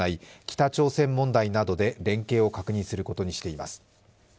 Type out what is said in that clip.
北朝鮮問題などで連携を確認することにしています。